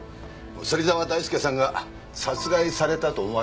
芹沢大介さんが殺害されたと思われる時間です。